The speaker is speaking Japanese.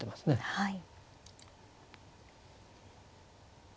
はい。